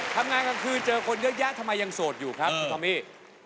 ทำงานกลางคืนเจอคนเยอะแยะทำไมยังโสดอยู่ครับคุณตอมมี่